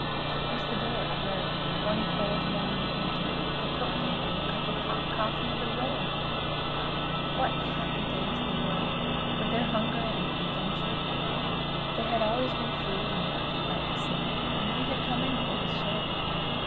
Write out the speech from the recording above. that was the door, where, one cold morning of winter, the cook gave him a cup of hot coffee and a roll! What happy days they were, with their hunger and adventure! There had always been food and warmth about the city, and he had come in for his share!